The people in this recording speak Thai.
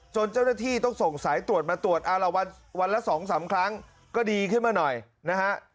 เจ้าหน้าที่ต้องส่งสายตรวจมาตรวจเอาละวันละ๒๓ครั้งก็ดีขึ้นมาหน่อยนะฮะ